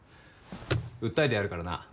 訴えてやるからな。